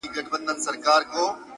• ستا دي په یاد وي چي دا ښکلی وطن,